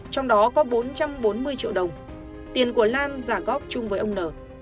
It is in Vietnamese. trong đó có bốn trăm bốn mươi triệu đồng tiền của lan giả góp chung với ông n